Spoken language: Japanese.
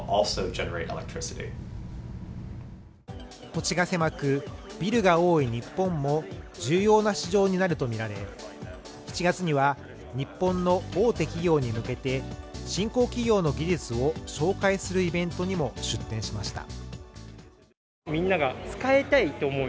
土地が狭くビルが多い日本も重要な市場になると見られ７月には日本の大手企業に向けて新興企業の技術を紹介するイベントにも出展しました